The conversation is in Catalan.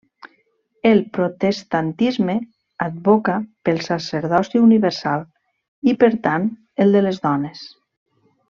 El protestantisme advoca pel sacerdoci universal i per tant el de les dones.